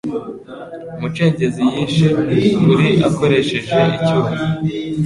Umucengezi yihishe kuri akoresheje icyuma.